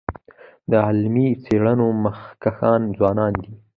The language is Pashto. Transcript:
د علمي څيړنو مخکښان ځوانان دي.